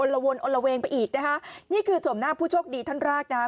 ละวนอนละเวงไปอีกนะคะนี่คือชมหน้าผู้โชคดีท่านแรกนะคะ